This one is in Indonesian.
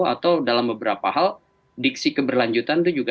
atau dalam beberapa hal diksi keberlanjutan itu juga